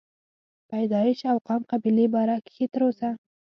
پيدائش او قام قبيلې باره کښې تر اوسه